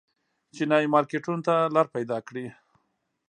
چینايي مارکېټونو ته لار پیدا کړي.